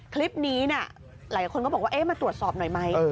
คลิปนี้หลายคนก็บอกว่ามาตรวจสอบหน่อยไหม